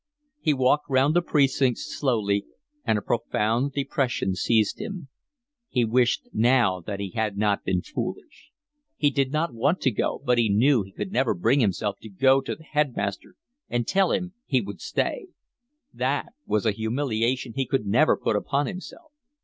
He walked round the precincts slowly, and a profound depression seized him. He wished now that he had not been foolish. He did not want to go, but he knew he could never bring himself to go to the headmaster and tell him he would stay. That was a humiliation he could never put upon himself.